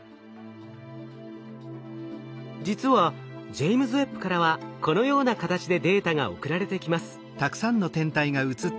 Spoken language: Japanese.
実はジェイムズ・ウェッブからはこのような形でデータが送られてきます。